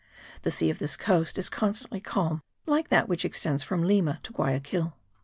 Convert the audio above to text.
The sea of this coast is constantly calm, like that which extends from Lima to Guayaquil.